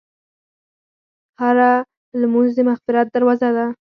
هره لمونځ د مغفرت دروازه ده.